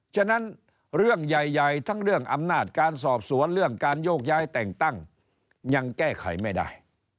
ฉะนั้นเรื่องใหญ่ทั้งเรื่องอำนาจการสอบสวนเรื่องการโยกย้ายแต่งตั้งยังแก้ไขไม่ได้